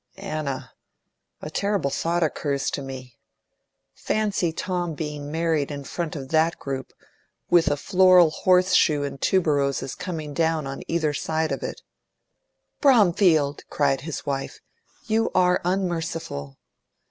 Anna, a terrible thought occurs to me! Fancy Tom being married in front of that group, with a floral horse shoe in tuberoses coming down on either side of it!" "Bromfield!" cried his wife, "you are unmerciful."